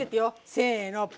せの。